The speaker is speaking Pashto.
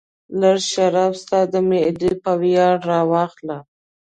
لږ شراب ستا د معدې په ویاړ راواخله.